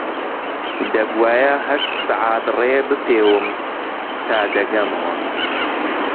دەبوایە هەشت سەعات ڕێ بپێوم تا دەگەمەوە